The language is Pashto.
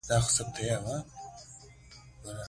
یورانیم د افغانستان د امنیت په اړه هم اغېز لري.